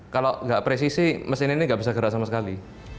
kalau nggak presisi mesin ini nggak bisa gerak sama sekali